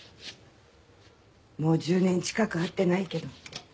もう１０年近く会ってないけど。